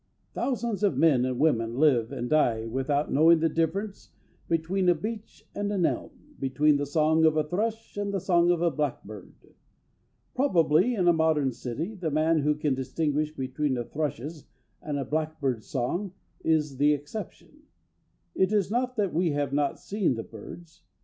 Thousands of men and women live and die without knowing the difference between a beech and an elm, between the song of a thrush and the song of a blackbird. Probably in a modern city the man who can distinguish between a thrush's and a blackbird's song is the exception. It is not that we have not seen the birds.